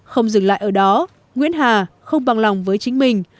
không dừng lại ở đó nguyễn hà không bằng lòng với chính mình